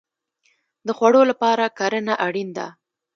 د خوړو لپاره کرنه اړین ده